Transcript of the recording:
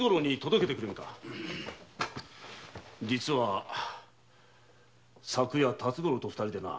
実は昨夜辰五郎と二人でな。